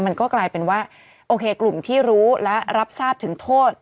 มันก็กลายเป็นว่าโอเคกลุ่มที่รู้และรับทราบถึงโทษ